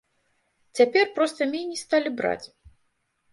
Цяпер проста меней сталі браць.